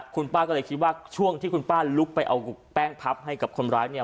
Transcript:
คุณป้าก็เลยคิดว่าช่วงที่คุณป้าลุกไปเอาแป้งพับให้กับคนร้ายเนี่ย